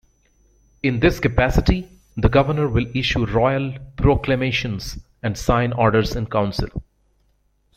In this capacity, the governor will issue royal proclamations and sign orders in council.